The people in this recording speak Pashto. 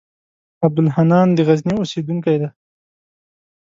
عبدالحنان د غزني اوسېدونکی دی.